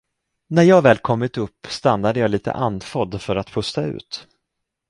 När jag väl kommit upp stannade jag litet andfådd för att pusta ut.